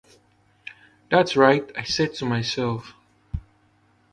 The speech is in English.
‘That’s right!’ I said to myself.